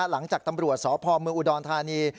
หลังจากตำรวจสพเมืองอุดรธานี